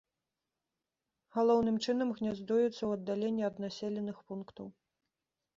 Галоўным чынам гняздуецца ў аддаленні ад населеных пунктаў.